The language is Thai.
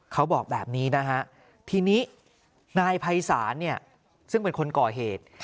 เขาบอกแบบนี้นะฮะทีนี้นายภัยศาลเนี่ยซึ่งเป็นคนก่อเหตุ